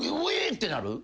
ってなる？